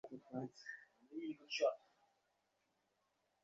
ডাইনে, বাঁয়ে এবং দেয়ালের মধ্যিখানে একটা করে দীর্ঘ অপরিসর জানলা।